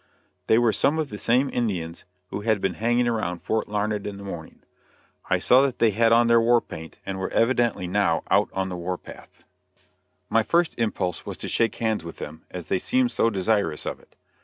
They were some of the same Indians who had been hanging around Fort Larned in the morning. I saw that they had on their war paint, and were evidently now out on the war path. [Illustration: A BIG JOKE.] My first impulse was to shake hands with them, as they seemed so desirous of it.